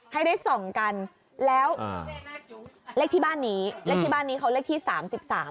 ให้ได้ส่องกันแล้วเลขที่บ้านนี้เลขที่บ้านนี้เขาเลขที่สามสิบสาม